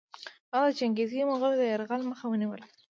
هغه د چنګېزي مغولو د یرغل مخه ونیوله.